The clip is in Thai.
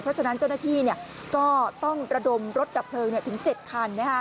เพราะฉะนั้นเจ้าหน้าที่ก็ต้องระดมรถดับเพลิงถึง๗คัน